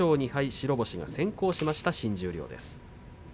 白星が先行した新十両です。